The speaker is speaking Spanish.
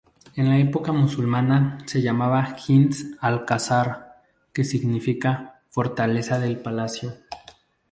En la etapa musulmana se llamaba Hins-al-Qasar, que significa "Fortaleza del Palacio".